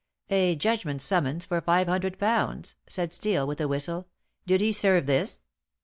"A judgment summons for five hundred pounds," said Steel, with a whistle. "Did he serve this?"